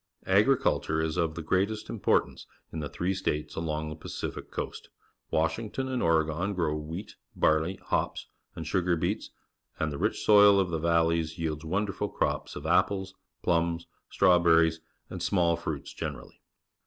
Agriculture is of the greatest importance in the three states along the Pacific Coast. Washington and Oregon grow wheat, barley, hops, and sugar beets, and the rich soil of the valleys yields wonderful crops of apples, plums, st rn.wberr ieSj and small fruits gener ally.